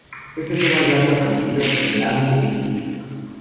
Este tema ya había aparecido en el álbum The Innocents.